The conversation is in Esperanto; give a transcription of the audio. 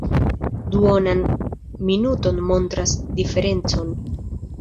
Duonan minuton montras diferencon.